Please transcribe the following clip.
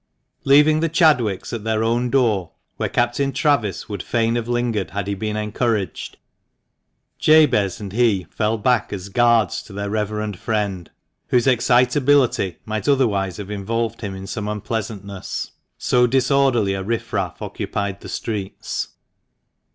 EAVING the Chadwicks at their own door, where Captain Travis would fain have lingered had he been encouraged, Jabez and he fell back as guards to their reverend friend, whose excitability might other wise have involved him in some unpleasantness, so disorderly a riff raff occupied the streets.